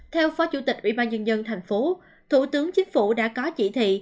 theo phó chủ tịch ubnd tp thủ tướng chính phủ đã có chỉ thị